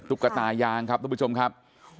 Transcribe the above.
ตุ๊กตายางครับทุกผู้ชมครับ